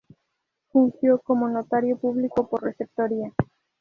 Fungió como Notario Público por receptoría.